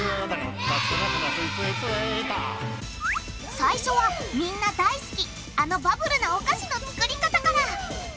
最初はみんな大好きあのバブルなお菓子の作り方から！